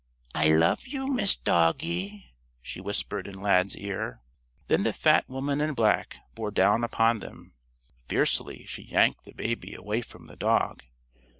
"I love you, Miss Doggie!" she whispered in Lad's ear. Then the fat woman in black bore down upon them. Fiercely, she yanked the baby away from the dog.